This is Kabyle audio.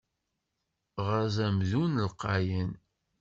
Ɣez amdun alqayan.